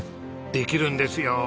できるんですよ